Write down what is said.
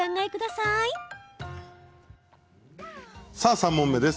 さあ３問目です。